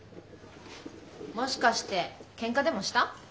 もしかしてケンカでもした？